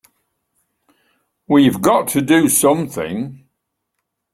We've got to do something!